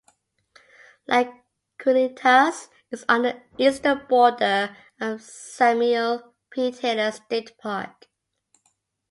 Lagunitas is on the eastern border of Samuel P. Taylor State Park.